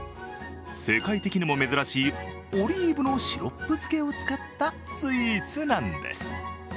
世界的にも珍しいオリーブのシロップ漬けを使ったスイーツなんです。